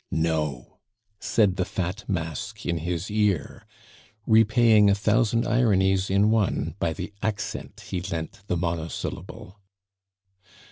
"No!" said the fat mask in his ear, repaying a thousand ironies in one by the accent he lent the monosyllable.